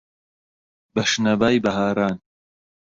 بە شنەبای بەهاران